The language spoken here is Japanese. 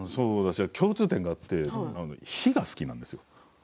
共通点があって火が好きなんですよ。